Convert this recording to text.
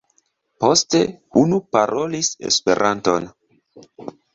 Poste unu parolis Esperanton.